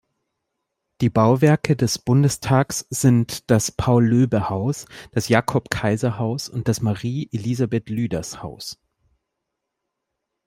Die Bauwerke des Bundestags sind das Paul-Löbe-Haus, das Jakob-Kaiser-Haus und das Marie-Elisabeth-Lüders-Haus.